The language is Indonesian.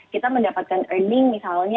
kita mendapatkan earning misalnya